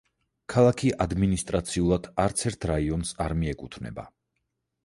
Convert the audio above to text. ქალაქი ადმინისტრაციულად არცერთ რაიონს არ მიეკუთვნება.